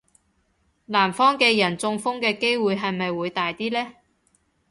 南方嘅人中風嘅機會係咪會大啲呢?